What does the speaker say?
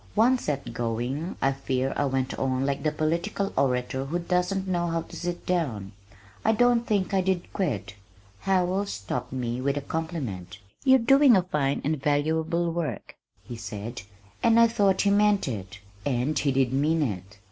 Once set going I fear I went on like the political orator who doesn't know how to sit down. I don't think I did quit. Howells stopped me with a compliment. "You're doing a fine and valuable work," he said, and I thought he meant it and he did mean it.